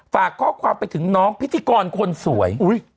ฝากข้อความไปถึงน้องพิธีกรคนสวย